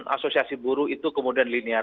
asosiasi buruh itu kemudian linear